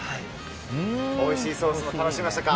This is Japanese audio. おいしいソースも堪能しましたか。